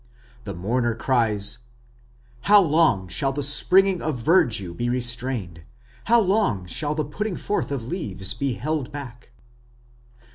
The mourner cries: How long shall the springing of verdure be restrained? How long shall the putting forth of leaves be held back?